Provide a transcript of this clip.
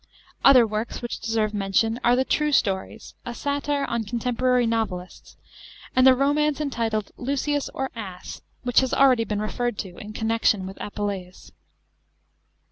Other worRs, which deserve mention, are the True Stories, a satire on contemporary novelists; and the romance entitled Lucius or Ass which has already been referred to in connection with Apuldus.